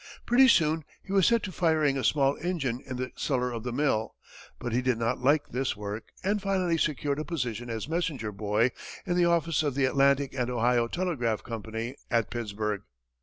Pretty soon he was set to firing a small engine in the cellar of the mill, but he did not like this work, and finally secured a position as messenger boy in the office of the Atlantic & Ohio Telegraph Company, at Pittsburgh.